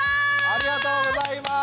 ありがとうございます。